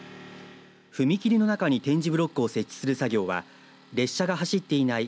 踏切の中に点字ブロックを設置する作業は列車が走っていない